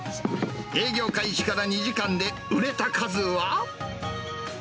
営業開始から２時間で、売れた数は。